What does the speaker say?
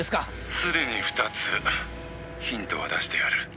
「すでに２つヒントは出してある」